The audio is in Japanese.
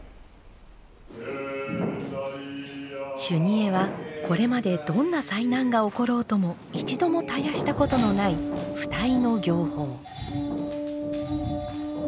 修二会はこれまでどんな災難が起ころうとも一度も絶やしたことのない「不退の行法」。